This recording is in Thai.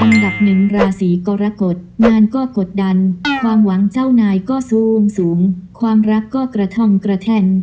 อันดับหนึ่งราศีกรกฎงานก็กดดันความหวังเจ้านายก็สูงสูงความรักก็กระท่อมกระแท่น